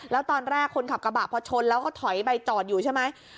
แล้วตอนแรกคนขับกระบะพอชนแล้วก็ถอยไปจอดอยู่ใช่ไหม